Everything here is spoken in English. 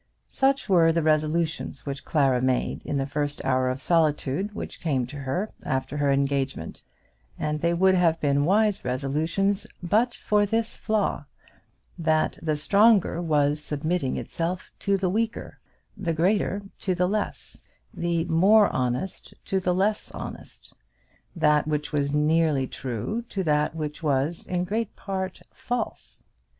Such were the resolutions which Clara made in the first hour of solitude which came to her after her engagement; and they would have been wise resolutions but for this flaw that the stronger was submitting itself to the weaker, the greater to the less, the more honest to the less honest, that which was nearly true to that which was in great part false.